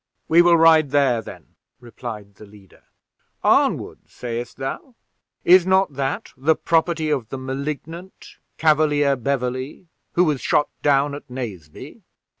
"We will ride there, then," replied the leader. "Arnwood, sayest thou? is not that the property of the Malignant Cavalier Beverley, who was shot down at Naseby?"